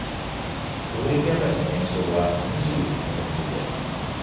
貿易赤字の減少は２１か月ぶりです。